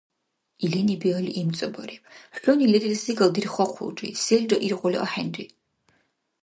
Илини биалли имцӀабариб: — ХӀуни лерил секӀал дирхахъулри… селра иргъули ахӀенри!